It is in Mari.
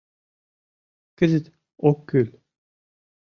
Кызыт — ок кӱл.